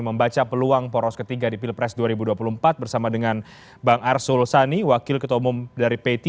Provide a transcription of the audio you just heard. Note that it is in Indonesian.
membaca peluang poros ketiga di pilpres dua ribu dua puluh empat bersama dengan bang arsul sani wakil ketua umum dari p tiga